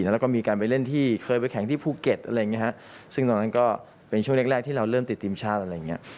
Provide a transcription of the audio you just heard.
แล้วก็มีการไปเล่นที่เคยไปแข่งที่ภูเก็ตอะไรอย่างเงี้ฮะซึ่งตอนนั้นก็เป็นช่วงแรกแรกที่เราเริ่มติดทีมชาติอะไรอย่างเงี้ย